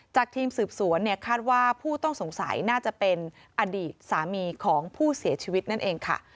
ทีมสืบสวนเนี่ยคาดว่าผู้ต้องสงสัยน่าจะเป็นอดีตสามีของผู้เสียชีวิตนั่นเองค่ะ